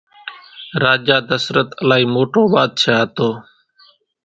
راجا ڌسرت الائِي موٽو ٻاڌشاھ ھتو۔